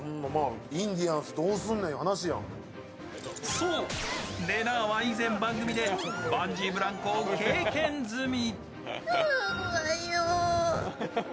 そう、れなぁは以前、番組でバンジーブランコを経験済み。